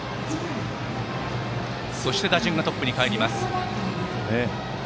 そして打順がトップにかえります。